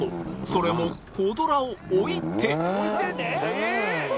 それも、コ・ドラを置いて。